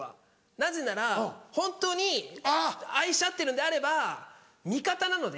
なぜならホントに愛し合ってるんであれば味方なので。